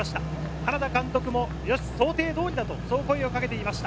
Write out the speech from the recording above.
花田監督もよし想定通りだ！と声をかけていました。